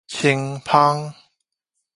清芳